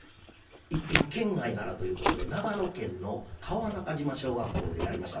いっぺん県外ならということで長野県の川中島小学校でやりました。